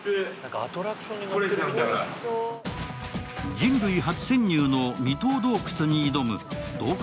人類初潜入の未到洞窟に挑む洞窟